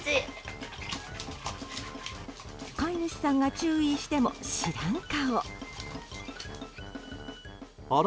飼い主さんが注意しても知らん顔。